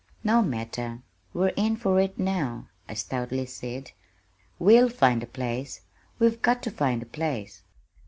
"No matter, we're in for it now," I stoutly said. "We'll find a place we've got to find a place."